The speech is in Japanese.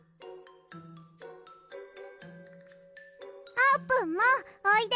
あーぷんもおいで。